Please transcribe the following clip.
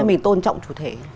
vậy mình tôn trọng chủ thể